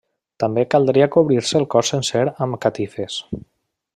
També caldria cobrir-se el cos sencer amb catifes.